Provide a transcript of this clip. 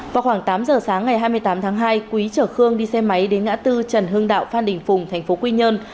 vào khoảng tám giờ sáng ngày hai mươi tám tháng hai quý chở khương đi xe máy đến ngã tư trần hưng đạo phan đình phùng tp quy nhơn